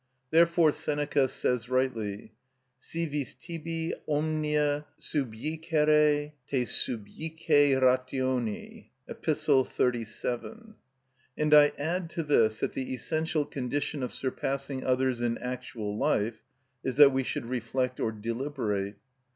Therefore Seneca says rightly, "Si vis tibi omnia subjicere, te subjice rationi" (Ep. 37). And I add to this that the essential condition of surpassing others in actual life is that we should reflect or deliberate.